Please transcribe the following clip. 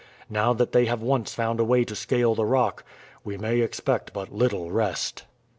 Now that they have once found a way to scale the rock we may expect but little rest."